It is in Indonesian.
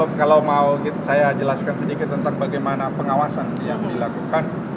jadi kalau mau saya jelaskan sedikit tentang bagaimana pengawasan yang dilakukan